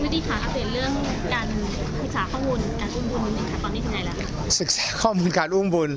พี่วิธีค่ะครับเตรียมเรื่องการศึกษาข้อมูลการอุ้มบุญอยู่ไหนครับ